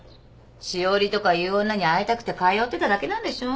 詩織とかいう女に会いたくて通ってただけなんでしょ？